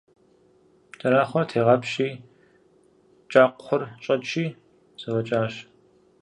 КӀэрахъуэр тегъапщи, кӀакхъур щӀэчи зэфӀэкӀащ.